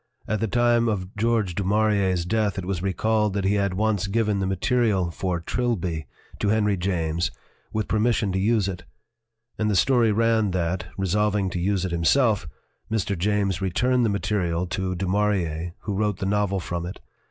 At the time of George du Maurier 's death it was recalled that he had once given the material for Trilby to Henry James with permission to use it; and the story ran that, resolving to use it himself, Mr. James returned the material to Du Maurier, who wrote the novel from it.